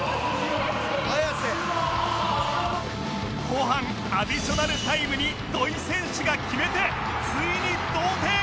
後半アディショナルタイムに土居選手が決めてついに同点！